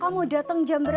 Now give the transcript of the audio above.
kaka mau dateng jam berapa